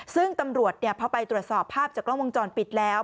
ซึ่งตำรวจพอไปตรวจสอบภาพจากกล้องวงจรปิดแล้ว